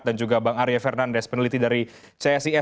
dan juga bang arya fernandes peneliti dari csis